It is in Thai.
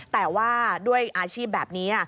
แต่ว่าด้วยอาชีพแบบนี้